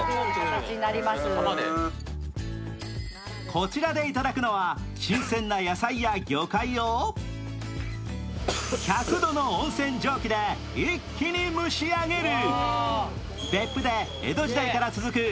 こちらでいただくのは新鮮な野菜や魚介を１００度の温泉蒸気で一気に蒸し上げる。